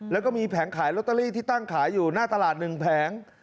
แล้วก็มีแผงขายลอตเตอรี่ที่ตั้งขายอยู่หน้าตลาด๑แผง